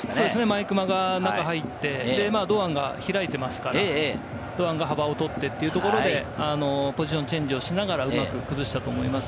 毎熊が中に入って、堂安が開いていますから、堂安が幅を取ってというところで、ポジションチェンジをしながら、うまく崩したと思います。